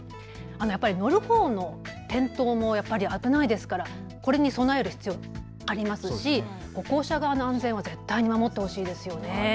やっぱり乗るほうの転倒も危ないですから、これに備える必要がありますし歩行者側の安全は絶対に守ってほしいですよね。